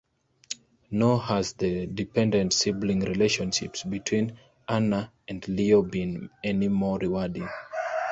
Nor has the dependent sibling relationship between Una and Leo been any more rewarding.